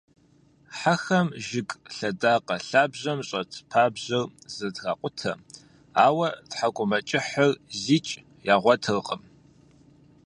Хьэхэм жыг лъэдакъэ лъабжьэм щӀэт пабжьэр зэтракъутэ, ауэ тхьэкӀумэкӀыхьыр зикӀ ягъуэтыркъым.